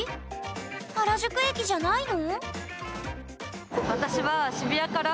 原宿駅じゃないの？